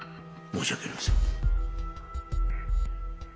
申し訳ありません。